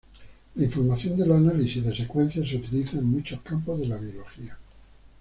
La información del análisis de secuencias se utiliza en muchos campos de la biología.